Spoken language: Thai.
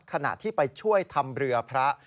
ขณะที่ไปช่วยทำเรือพระ